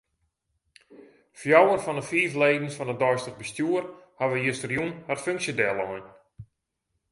Fjouwer fan 'e fiif leden fan it deistich bestjoer hawwe justerjûn har funksje dellein.